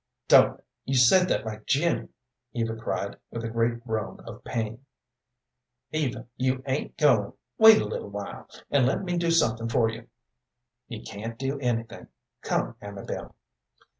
"Don't! you said that like Jim," Eva cried, with a great groan of pain. "Eva, you ain't goin'? Wait a little while, and let me do somethin' for you." "You can't do anything. Come, Amabel."